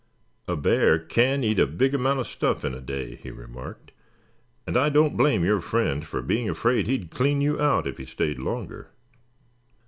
"A bear can eat a big amount of stuff in a day," he remarked, "and I don't blame your friend for being afraid he'd clean you out, if he stayed longer.